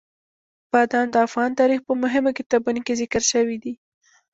بادام د افغان تاریخ په مهمو کتابونو کې ذکر شوي دي.